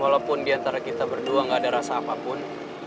walaupun diantara kita berdua nggak ada rasa apa pun